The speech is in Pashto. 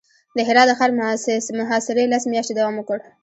د هرات د ښار محاصرې لس میاشتې دوام وکړ.